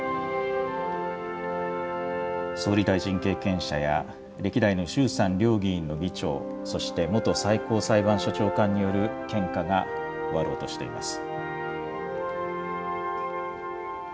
総理大臣経験者や歴代の衆参両議院の議長、そして元最高裁判所長官による献花が終わろうとしています。